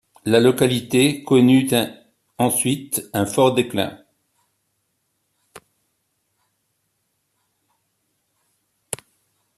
La localité connut ensuite un fort déclin.